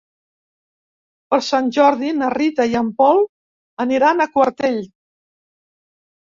Per Sant Jordi na Rita i en Pol aniran a Quartell.